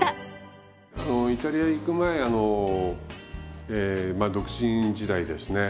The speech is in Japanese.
イタリア行く前あのまあ独身時代ですね